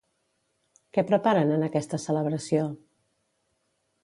Què preparen en aquesta celebració?